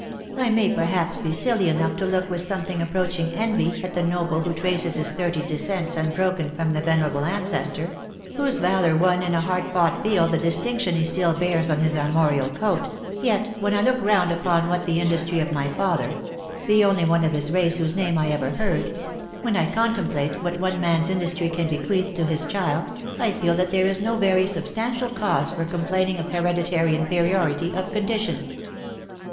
I may perhaps be silly enough to look with something approaching envy at the noble who traces his thirty descents un broken from the venerable ancestor, whose valour won in a hard fought field the distinction he still bears on his armorial coat, yet when I look round upon what the industry of my father — the only one of his race whose name I ever heard — when I contemplate what one man's industry can bequeath to his child, I feel that there is no very substantial cause for complaining of hereditary inferiority of condition.